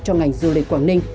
cho ngành du lịch quảng ninh